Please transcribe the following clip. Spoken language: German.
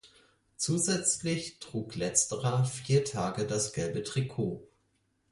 Zusätzlich trug Letzterer vier Tage das Gelbe Trikot.